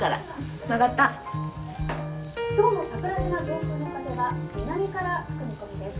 「今日の桜島上空の風は南から吹く見込みです」。